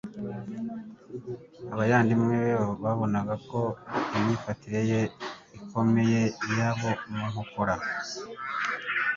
Abayandimwe be babonaga ko imyifatire ye ikomye iyabo mu nkokora.